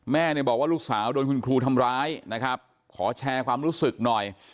แม่บอกว่าลูกสาวโดนคุณครูทำร้ายขอแชร์ความรู้สึกหน่อย